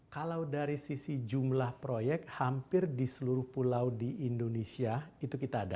kalau dari sisi jumlah proyek hampir di seluruh pulau di indonesia itu kita ada